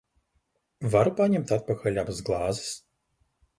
Varu paņemt atpakaļ abas glāzes?